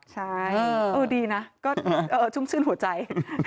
ใช่ดีนะก็ชุ่มชื่นหัวใจ